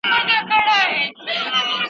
دا کمي پيسې دي.